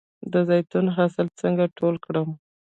د زیتون حاصل څنګه ټول کړم؟